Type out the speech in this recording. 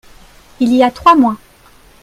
il y a trois mois.